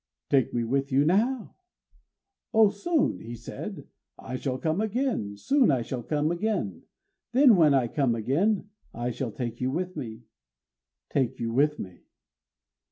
"Take me with you now!" "O soon," he said, "I shall come again; soon I shall come again: then, when I come again, I shall take you with me, "_Take you with me.